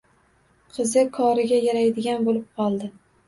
Qizi koriga yaraydigan boʻlib qoldi!